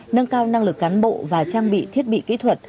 nâng cao năng lực cán bộ và trang bị thiết bị kỹ thuật